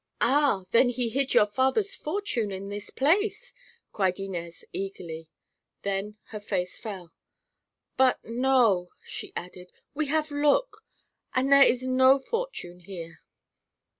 '" "Ah! then he hid your father's fortune in this place?" cried Inez eagerly. Then her face fell. "But, no," she added. "We have look, and there is no fortune here."